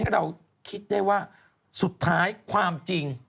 เราคิดได้ว่าสุดท้ายความจริง